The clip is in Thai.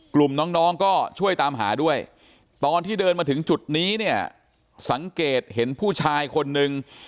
กลุ่มน้องก็ช่วยตามหาด้วยตอนที่เดินมาถึงจุดนี้เนี่ยสังเกตเห็นผู้ชายคนนึง